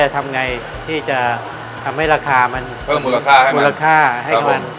ทำไงที่จะทำให้ราคามันเพิ่มมูลค่าให้มัน